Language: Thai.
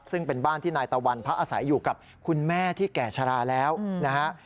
ซึ่งเป็นบ้านที่นายตะวันพักอาศัยอยู่กับคุณแม่ที่แก่ชะลาแล้วนะฮะ